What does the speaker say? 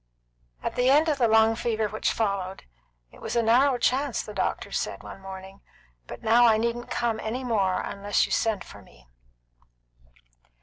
At the end of the lung fever which followed, "It was a narrow chance," said the doctor one morning; "but now I needn't come any more unless you send for me."